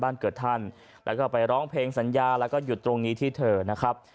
บ้านเกิดท่านแล้วก็ไปร้องเพลงสัญญาแล้วก็หยุดตรงนี้ที่เธอนะครับ